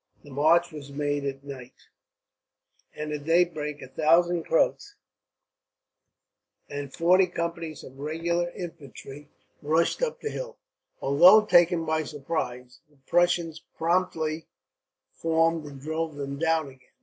The march was made at night, and at daybreak a thousand Croats, and forty companies of regular infantry, rushed up the hill. Although taken by surprise, the Prussians promptly formed and drove them down again.